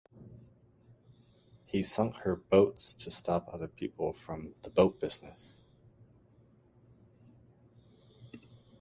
He sunk her boats to stop other people from the boat business.